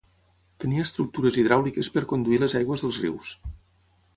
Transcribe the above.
Tenia estructures hidràuliques per conduir les aigües dels rius.